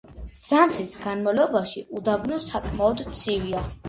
ზამთრის განმავლობაში, უდაბნო საკმაოდ ცივია.